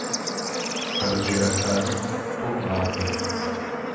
Para o desgraçado, pouco vale a pena.